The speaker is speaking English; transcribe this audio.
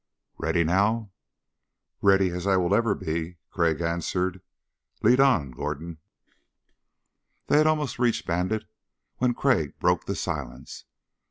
"Ready, now?" "Ready as I ever will be," Crag answered. "Lead on, Gordon." They had almost reached Bandit when Crag broke the silence.